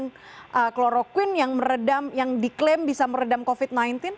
dengan kloroquine yang meredam yang diklaim bisa meredam covid sembilan belas